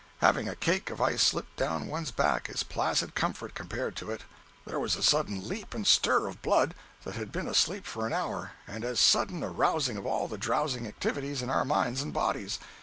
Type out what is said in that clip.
Having a cake of ice slipped down one's back is placid comfort compared to it. There was a sudden leap and stir of blood that had been asleep for an hour, and as sudden a rousing of all the drowsing activities in our minds and bodies.